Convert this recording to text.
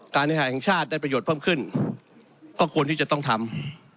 หาแห่งชาติได้ประโยชน์เพิ่มขึ้นก็ควรที่จะต้องทำ